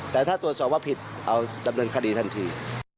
แต่ถ้าตรวจสอบว่าผิดเอาดำเนินคดีทันที